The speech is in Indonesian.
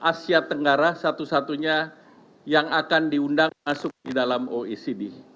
asia tenggara satu satunya yang akan diundang masuk di dalam oecd